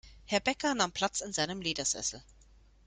Herr Bäcker nahm Platz in seinem Ledersessel.